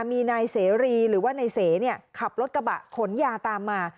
มีนายเสรีหรือว่านายเสขับรถกระบะขนยาตามมา